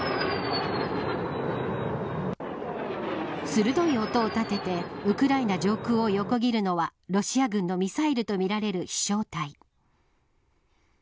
鋭い音を立ててウクライナ上空を横切るのはロシア軍のミサイルとみられる飛翔体。